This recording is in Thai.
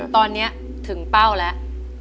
ตอนนี้ถึงเป้าแล้ว